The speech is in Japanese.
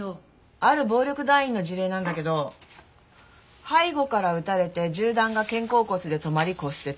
ある暴力団員の事例なんだけど背後から撃たれて銃弾が肩甲骨で止まり骨折。